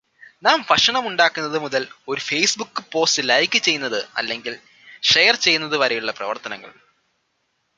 നാം ഭക്ഷണമുണ്ടാക്കുന്നത് മുതൽ ഒരു ഫെയ്സ്ബുൿ പോസ്റ്റ് ലൈക്ക് ചെയ്യുന്നത് അല്ലെങ്കിൽ ഷെയർ ചെയ്യുന്നത് വരെയുള്ള പ്രവർത്തനങ്ങൾ